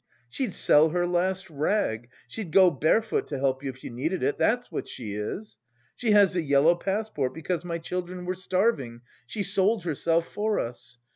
She'd sell her last rag, she'd go barefoot to help you if you needed it, that's what she is! She has the yellow passport because my children were starving, she sold herself for us!